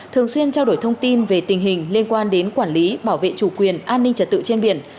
thường xuyên trao đổi thông tin về tình hình liên quan đến quản lý bảo vệ chủ quyền an ninh trật tự trên biển